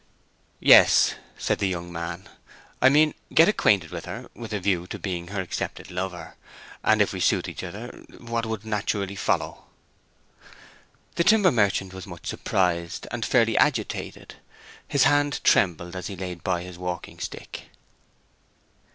"Yes," said the young man. "I mean, get acquainted with her, with a view to being her accepted lover; and if we suited each other, what would naturally follow." The timber merchant was much surprised, and fairly agitated; his hand trembled as he laid by his walking stick.